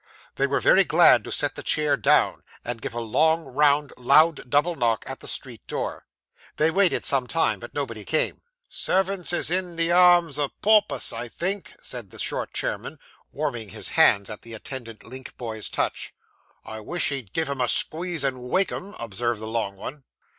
They were very glad to set the chair down, and give a good round loud double knock at the street door. They waited some time, but nobody came. 'Servants is in the arms o' Porpus, I think,' said the short chairman, warming his hands at the attendant link boy's torch. 'I wish he'd give 'em a squeeze and wake 'em,' observed the long one.